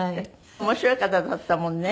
面白い方だったもんね。